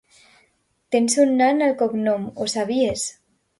Tens un nan al cognom, ho sabies?